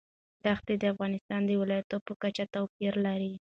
دښتې د افغانستان د ولایاتو په کچه توپیر لري.